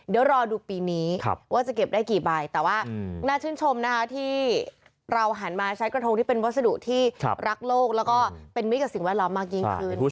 เดี๋ยวรอดูปีนี้ว่าจะเก็บได้กี่ใบแต่ว่าน่าชื่นชมนะคะที่เราหันมาใช้กระทงที่เป็นวัสดุที่รักโลกแล้วก็เป็นมิตรกับสิ่งแวดล้อมมากยิ่งขึ้น